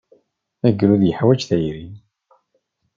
Agrud yeḥwaj tayri.